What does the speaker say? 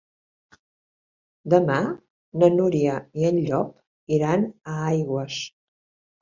Demà na Núria i en Llop iran a Aigües.